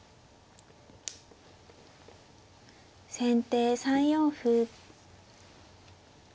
先手３四歩。